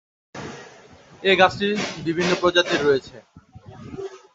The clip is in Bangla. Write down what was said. এ গাছটি বিভিন্ন প্রজাতির রয়েছে।